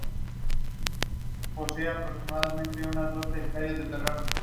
Una característica importante de la Iglesia presbiteriana es su doctrina.